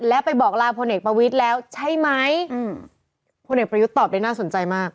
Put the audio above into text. และไปบอกลาพลเอกประวิทย์แล้วใช่ไหมอืมพลเอกประยุทธ์ตอบได้น่าสนใจมาก